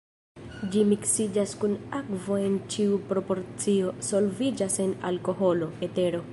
Ĝi miksiĝas kun akvo en ĉiu proporcio, solviĝas en alkoholo, etero.